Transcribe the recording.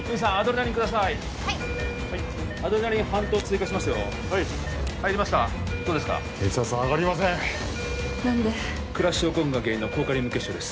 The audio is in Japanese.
何でクラッシュ症候群が原因の高カリウム血症です